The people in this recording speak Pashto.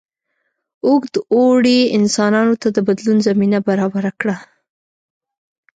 اوږد اوړي انسانانو ته د بدلون زمینه برابره کړه.